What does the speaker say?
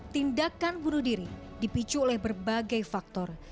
tindakan bunuh diri dipicu oleh berbagai faktor